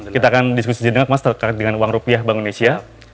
kita akan diskusi sejenak mas terkait dengan uang rupiah bank indonesia